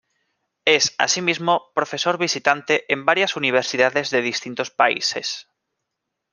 Es asimismo profesor visitante en varias universidades de distintos países.